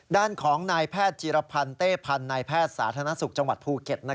ด้านของนายแพทย์จีรพันธ์เต้พันธ์นายแพทย์สาธารณสุขจังหวัดภูเก็ต